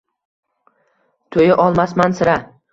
Toʼya olmasman sira.